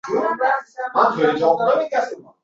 Qaniydi, u bilan bir bora suhbatlashsam!